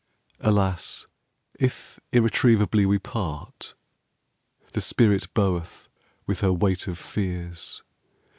Alas! if irretrievably we part ... The spirit boweth with her weight of fears.